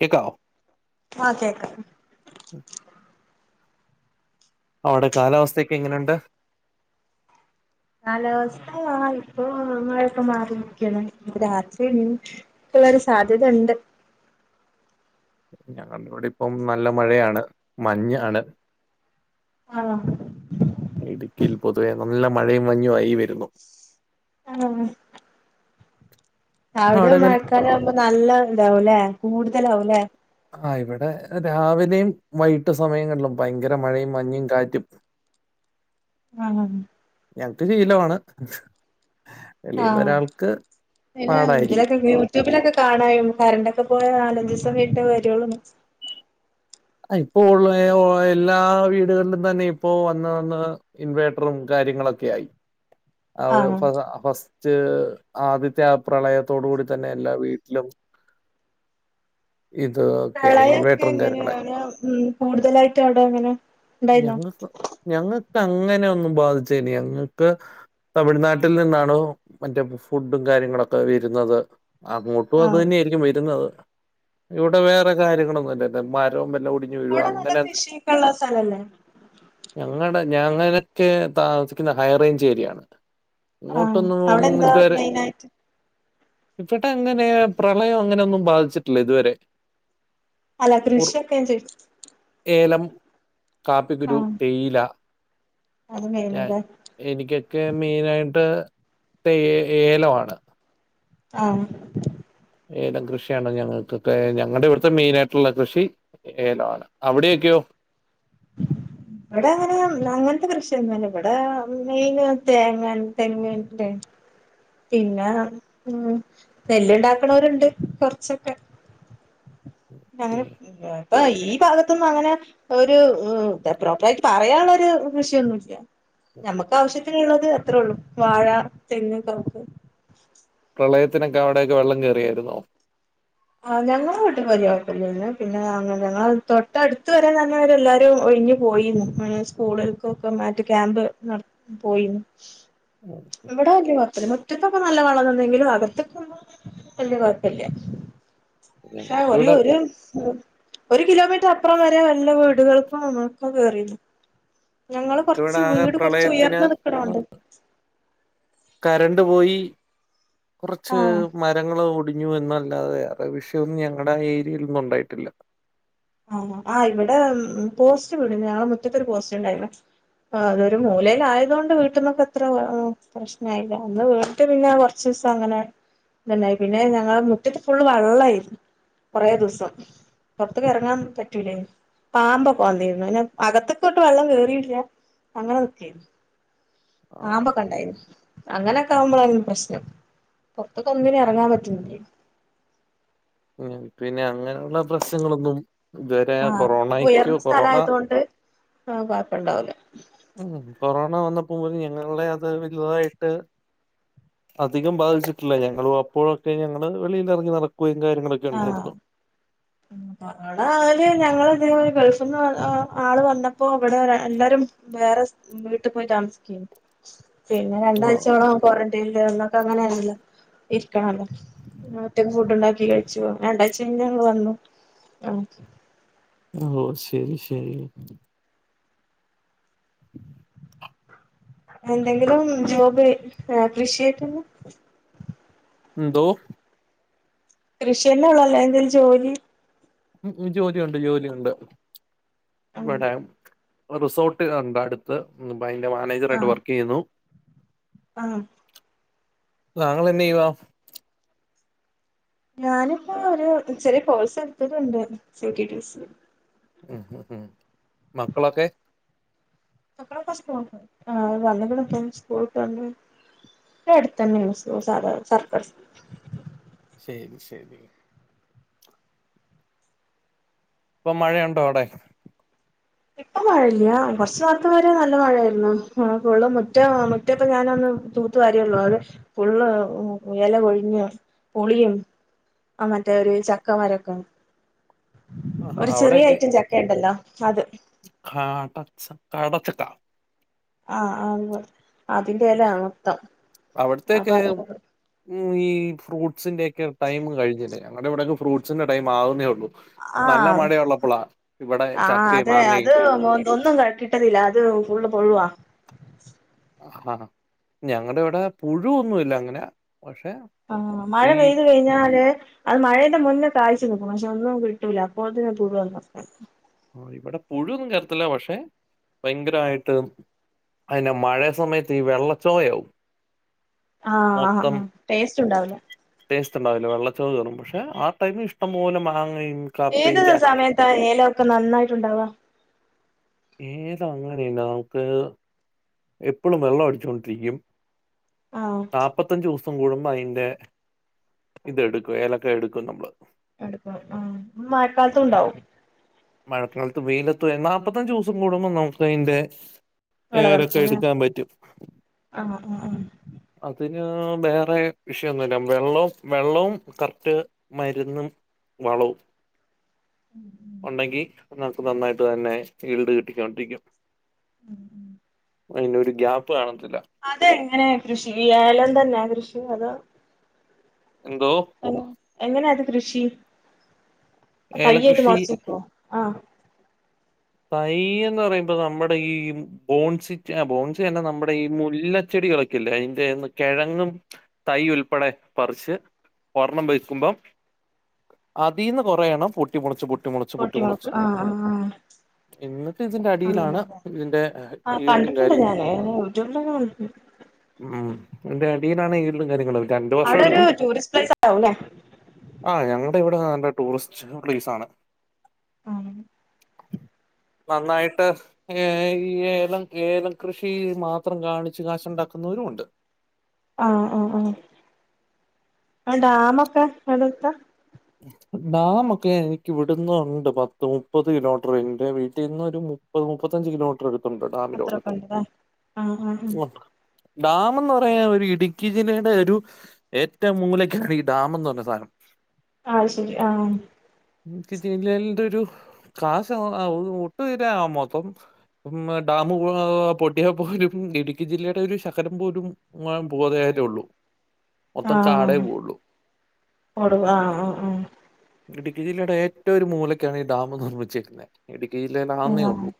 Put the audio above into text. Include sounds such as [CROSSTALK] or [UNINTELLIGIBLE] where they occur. കേക്കോവോ ആ കേക്ക അവടെ കാലാവസ്ഥ്യൊക്കെ എങ്ങനൊണ്ട് കാലാവസ്ഥ ഇപ്പോ മയൊക്കെ മാറി നിക്കെണ് ഇപ്പോ രാത് സാധ്യതണ്ട്. ഞങ്ങളവിടിപ്പം നല്ല മഴയാണ്, മഞ്ഞാണ്. ആ. ഇടുക്കീൽ പൊതുവെ നല്ല മഴയും മഞ്ഞു ആയി വരുന്നു ആ. അവിടെ മഴക്കാലാകുമ്പോ നല്ല ഇതാവും ലെ കൂടുതലാവുലെ ആ ഇവിടെ രാവിലെയും വൈകിട്ട് സമയങ്ങളിലും ഭയങ്കര മഴയും മഞ്ഞും കാറ്റും ആ. ഞങ്ങ്ക്ക് ശീലവാണ് ആ പിന്നെ ഇത് പാടായിരിക്കും ലൊക്കെ യൂട്യൂബിലൊക്കെ കാണായും കറണ്ടൊക്കെ പോയ നാലഞ്ചോസം വീട്ടേ വരുള്ളൂന്ന് ഇപ്പോ ഒള്ള എല്ലാ വീടുകളിലും തന്നെ ഇപ്പോ വന്ന് വന്ന് ഇൻവേർട്ടറും കാ കാര്യങ്ങളൊക്കെയായി ആഹ് റ്റ് ആദ്യത്തെ ആ പ്രളയത്തോടു കൂടി തന്നെ എല്ലാ വീട്ട്ലും ആയി പ്രളയൊക്കെ ഇൻവേർട്ടറും കാര്യങ്ങളായി എങ്ങനെയാ കൂടുതലായിട്ട് അവ്ടെ അങ്ങനെ ഞങ്ങക്ക് ഞങ്ങക്ക് അങ്ങനൊന്നും ബാധിച്ചേന ഞങ്ങക്ക് തമിഴ്നാട്ടിൽ നിന്നാണോ മറ്റോ ഫുഡും കാര്യങ്ങളൊക്കെ വര്ന്നത് അങ്ങോട്ടും അത് ആഹ് തന്നെയായിരിക്കും വര്ന്നത്, ഇവടെ വേറെ കാര്യങ്ങളൊന്നുംല്ല മരോം വല്ല [UNINTELLIGIBLE] അവിടെ നല്ല അങ്ങനെ കൃഷിയൊക്കെ ഉള്ള സ്ഥലല്ലേ ഞങ്ങടെ ഞങ്ങയോ ക്കെ താമസിക്കുന്ന ഹൈ റേഞ്ച് ഏരിയാണ് ആഹ് ഇങ്ങോട്ടൊന്നും പോ അവിടെ എന്താ ഇത് വരെ മെയിനായിട്ട് ഇവടങ്ങനെ പ്രളയം അങ്ങനൊന്നും ബാധിച്ചിട്ട്ല്ല ഇത് വരെ അല്ല കൃഷിയൊക്കേം ഏലം, കാപ്പിക്കുരു, തേയില അത് ഞാ മെയിനല്ലേ എനിക്ക് ഒക്കെ മെയിൻ ആയിട്ട് തേ ഏലമാണ് ആഹ് ഏലം കൃഷിയണോ ഞങ്ങൾക്ക് ഞങ്ങളുടെ ഇവിടുത്തെ മെയിൻ ആയിട്ടുള്ള കൃഷി ഏലണ് അവിടെൊക്കെയോ ഉ ഇവിടെ അങ്ങനെ അങ്ങനത്തെ കൃഷിയന്നല്ല ഇവിടെ മെയിൻ തേങ്ങാ തെങ്ങ് പിന്നെ ഉ നെല്ലുണ്ടാക്കണോരുണ്ട് കൊറച്ചൊക്കെ അങ്ങനെ ഇപ്പ ഈ ഭാഗത്തുന്നും അങ്ങനെ ഒരു പ്രോപ്പറയിട്ട് പറയാനുള്ള ഒരു കൃഷിന്നുമില്ല നമ്മുക്ക് ആവശ്യത്തിനുള്ളത് അത്രേ ഉള്ളു വാഴ തെങ്ങ് കവുങ്ങ് പ്രളയത്തിനൊക്കെ അവിടെയൊക്കെ വെള്ളം കേയറിയായിരുന്നോ ആ ഞങ്ങട്ട് പരിഴപ്പില്ലന്ന് പിന്നെ ഞങ്ങൾ തൊട്ടടുത്ത് വരാൻ തന്നെരെ എല്ലാരും ഇഞ്ഞു പോയിരുന്നു സ്കൂളക്കൊക്കെ മാറ്റ ക്യാമ്പ് നട പോയിരുന്നു എവിടെല്ല പത്തന് മുറ്റത്തൊക്കെ നല്ല വളംനിന്നെങ്കിലും അകത്തൊക്കെ ഒന്ന അല്ല കൊഴപ്പല്ല്യ പക്ഷെ ഞങ്ങൾക്കിവിടെ കൊറേര് ഒരു കിലോമീറ്റർ അപ്പുറം വരെ വല്ല വീടുകൾക്കും നമ്മൾക്കും കേറല്ല ഞങ്ങള് ഞങ്ങൾക്കിവിടെ കൊറച്ച് ആകെ വീട് കൊറച്ച് പ്രളയത്തിന് ഉയർന്നതക്കടണ്ട് കരണ്ട് പോയി കുറച്ച് ആഹ് മരങ്ങൾ ക ഞ്ഞു എന്നല്ലാതെ വേറെ വിഷയൊന്നും ഞങ്ങളുടെ ആ ഏരിയൽൊന്നും ഉണ്ടായിട്ടില്ല ആഹ ആ ഇവിടെ പോസ്റ്റ് വീട ഞങ്ങള് മുറ്റത്ത്രു പോസ്റ്റ് ഉണ്ടായില്ല ആ അതൊരു മൂലയില ആയതുകൊണ്ട് വീട്ടന്നൊക്കെ അത്ര പ്രശ്നമായില്ല അന്ന് വീട്ട് പിന്നെ കുറച്ച് അങ്ങനെ ത്ണ്ടായി പിന്നെ ഞങ്ങളെ മുറ്റത്ത് ഫുള് വെള്ളമായിരുന്നു കൊറേ ദിവസം അ ഇറങ്ങാൻ പറ്റൂലേനീ പാമ്പൊക്കേ വന്നി രുന്നുന്നെ അകത്തൊക്കെോട്ട് വെള്ളം കേറിയില്ല അങ്ങനൊക്കെയ ആ പാ മ്പൊക്കെ ഉണ്ടായിരുന്നു അങ്ങനെെ വുമ്പോലാണല്ലോ പ്രശ്നം പുറത്തൊക്കെ ഒന്നിനെ ഇറങ്ങാൻ പറ്റുന്നില്ലേ പിന്നെ അങ്ങനെയുള്ള പ്രശ്നങ്ങളൊന്നും ഇതുവരെ ആഹ് കൊറോണക്കോ ഉയർന്ന കൊറോണ സ്ഥലമായതുകൊണ്ട് ആഹ് പപ്പണ്ടാവലേ ഉം കൊറോണ വന്നപ്പോ പോല ഞങ്ങളുടെ അത് വലുതായിട്ട് അധികം ബാധിച്ചിട്ടില്ല ഞങ്ങുളു അപ്പോഴൊക്കെ ഞങ്ങള് വെളിയിൽ ഇറങ്ങി നടക്കുവ കാര്യങ്ങളൊക്കെ ഉണ്ടായിരുന്നു കൊറോണയാലും ഞങ്ങള് ഗൾഫിൽന്ന് ആള് വന്ന ഇപ്പൊ ഇവിടെ എല്ലാരും വേറെ വീട്ടിൽ പോയി താമസിക്ക പിന്നെ ആ രണ്ടാഴ്ചയോളം ക്വാറന്റൈനൽ ഒന്നൊക്കെ അങ്ങനെയ ആണല്ലോ ഇരിക്കണല്ലോ ഒറ്റക്ക് ഫുഡ് ഉണ്ടാക്കി കഴിച്ചു രണ്ടാഴ്ച കഴി ഞങ്ങള്ൾ വന്നു ആ ഓ ശരി ശരി എന്തെങ്കിലും ജോബ് ഏ കൃഷിയായ്റ്റില്ലോ എന്തോ കൃഷിഎനൊള്ളല്ലേ എന്തേലും ജോലി ജോലിയുണ്ട് ജോലിയുണ്ട് ആഹ് ഇവടെ റിസോർട്ട് കണ്ട അടുത്ത് അയ്ന്റെ മാനേജറായിട്ട് വർക്കെയ്യുന്നു ആഹ താങ്കളെന്നെയ്യുവാ ഞാനിപ്പോ ഒരു ചെറിയ കോഴ്സ് ട്ത്ട്ട്ണ്ണ്ട് സിടിടിസി ഉ ഉ ഉം മക്കളൊക്കെ മക്കളൊക്കെ സ്കൂൾപോയി ഏ വന്ന്കിലോത്തും സ്കൂൾ വിട്ട് വന്ന് എടുത്തെനേണ് സു സാതാ സർക്കാർ ശരി ശരി പ്പൊ മഴയുണ്ടോ അവടെ? ഇപ്പ മഴല്ല്യാ കൊർച്ച് നേർത്ത വരെ നല്ല മഴേര്ന്നു ഫുള്ള് മുറ്റോം മുറ്റപ്പ ഞാനൊന്ന്- തൂത്ത് വാര്യള്ളൂ ഒരു ഫുള്ള് ഇല കൊഴിഞ്ഞ് പുളിയും. അ മറ്റേ ഒരു ചക്ക മാരൊക്കെ. ആ ഒരു ചെറിയ ഐറ്റം ചക്ക ഇണ്ടല്ലോ അത്. കാട ചക്ക കാടച്ചക്ക ആഹ് അതുപോലെ അതിന്റെല മൊത്തം അവിടത്തേക്ക് അപ്പതൊക്കെ. ഈ ഫ്രൂസിന്റെ ഒക്കെ ടൈം കഴിഞ്ഞില്ലേ ഞങ്ങടിവടെക്കെ ഫ്രൂസിന്റെ ടൈം ആവുന്നേ ഒള്ളൂ. ന്നല്ല മഴയുള്ളപ്പളാ. ഇവിടെ ആഹ് ചക്കയും അതെ മാങ്ങയും അത് ഒന്നും കിട്ടത്തില്ല അത് ഫുള്ള് പൂഴുവാ ആഹ ഞങ്ങണ്ടിവിടെ പുഴൊന്നുല്ല അങ്ങനെ- പക്ഷെ ആഹ മഴ ഈ പെയ്തു കഴിഞ്ഞാല് അത് മഴന്റെ മുന്നേ കാഴ്ച- ത്തിന്നിക്കും പക്ഷെ ഒന്നും കിട്ടൂല അപ്പൊത്തിനും തുഴുവന്ന- ആ ഇവിടെ പുഴു ഒന്നും കേറത്തില്ല പക്ഷെ ഭയങ്കരായിട്ട്- അയ്ന്റെ മഴ സമയത്ത് ഈ വെള്ളചൊവയാവും. ആഹ് ആഹ് മൊത്തം ആഹ് ടേസ്റ്റ് ഉണ്ടാവില്ല ടെസ്റ്റ്ണ്ടാവില്ല വെള്ള ചൊവ കേറും പക്ഷെ ആ ടൈമി ഇഷ്ടം പോലെ മാങ്ങയും കപ്പയും ഏത് ചക്ക സമയത്താ ഏലൊക്കെ നന്നായ്ട്ടുണ്ടാവാ. ഏതാ അങ്ങനെല്ല നമുക്ക് എപ്പളും വെള്ളം അടിച്ചോണ്ടിരിക്കും. ആഹ് ന്നാപ്പത്തഞ്ചുസ് സം കൂടുമ്പയ്ന്റെ ഇതെടുക്കും ഏലക്ക എടുക്കും നമ്മള്. എടുക്കും ആ മഴക്കാലത്തും ഉണ്ടാവും. മഴക്കാലത്ത് വെയ്ലത്ത്ന്നാ നാപത്തഞ്ചൂസം കൂടുമ്പ ന്നമുക്കയ്ന്റെ ഏലൊക്കെ വിളവെടുക്കും അല്ലേ എടുക്കാൻ പറ്റും ആഹ് ആഹ് ആഹ് അത്- പി വേറെ വിഷയൊന്നുല്ല വെള്ളവും വെള്ളവും കറക്റ്റ് മരുന്നും- വളവും - മ് ഉണ്ടെങ്കി നിങ്ങൾക്ക് നന്നായിട്ട് തന്നെ ഫീൽഡ് കിട്ടിക്കൊണ്ടിരിക്കും. ഉം അയ്നൊര് ഗ്യാപ്പ് കാണ- അതെങ്ങനെ കൃഷിചെയ്യാ ഏലം തന്നെ കൃഷി അതൊ എന്തോ? എങ്ങനാത് കൃഷി തയ്യായ്റ്റ് ഏലകൃഷി മൊളച്ച്ക്കോ ആ? തൈന്ന് പറയുമ്പോ നമ്മടെ ഈ ബോൺസിന്റെ ബോൺസ് തന്നെ നമ്മടെ ഈ മുല്ലച്ചെടി- ടികളൊക്കെഇല്ലേ അയ്ന്റെന്ന് കിഴങ്ങും തൈ ഉൾപ്പെടെ പറിച്ച്- ഒർണ്ണം വക്കുംമ്പം അതിന്ന് കൊറേയെണ പൊട്ടി മൊളച്ച് പൊട്ടി മൊളച്ച് പൊട്ടി മൊളക്കും ആഹ് ആഹ് ആഹ- എന്നിട്ട് ഇതിന്റെ അടിയിലാണ് അങ്ങനെതെ ഇതിന്റെ ആ ഈൽഡും കണ്ടിട്ടുണ്ട് ഞാന് യൂട്യൂബിലൊക്കെ കണ്ടി- മ് എന്റെ അടിയിലാണ് ഇടലും കാര്യങ്ങളും- രണ്ട് വർഷം അവിടെ ഒരു എടുക്കും ടൂറിസ്റ്റ് പ്ലേസ് ആവുംല്ലേ ആഹ ഞങ്ങൾ ഇവിടെ ന ടൂറിസ്റ്റ് പ്ലേസ് ആണ്. ആഹ് നന്നായിട്ട് ഏ ഈ ഏലം ഏലംകൃഷി മാത്രം കാണിച്ചു കാശുണ്ട ക്കുന്നവരും ഉണ്ട്. ആഹ ആഹ ആഹ ആ ഡാമൊ ക്കെ അടുത്ത ഡമൊക്കെ എനിക്ക് വിടുന്നുണ്ട് പത്ത് മുപ്പത് കിലോമീറ്റർ എന്റെ വീട്ടിന്നൊരു- ഒരു മുപ്പത്തഞ്ച് കിലോമീറ്റർ എടുത്തണ്ട് ഡാമിലോട്ട്. അത്രൊക്കെ ഉണ്ടല്ലേ ആഹ് ആഹ് ഡാം എന്ന് പറയാ ഒരു ഇടുക്കി ജില്ലയുടെ ഒരു ഏറ്റവും മൂലക്കാണ് ഈ ഡാം എന്ന് പറഞ്ഞ സാധനം. ആഹ ശരി ആഹ എനിക്ക് ജില്ലന്റെ ഒരു കാശ ഒട്ടു തീര ആവ മൊത്തം- ഡാം പൊട്ടിയാൽ പോലും ഇടുക്കി ജില്ലയുടെ ഒരു ശഖരം പോലുംൻ പോകതെ ഉള്ളൂ മൊത്തം ആഹ കാടേ പോവുള്ളൂ ടുവാ ആഹ് ആഹ ആഹ ഇടുക്കി ജില്ലയുടെ ഏറ്റവും ഒരു എറ്റയൊരെ മൂലക്കാണ് ഈ ഡാം നിർമ്മിച്ചിരിക്കുന്നെ. ഇടുക്കി ജില്ലയിൽ ആന്നേ ആഹ് ഉള്ളൂ.